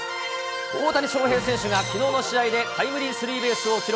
大谷翔平選手がきのうの試合でタイムリースリーベースを記録。